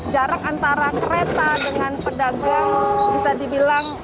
jarak antara kereta dengan pedagang bisa dibilang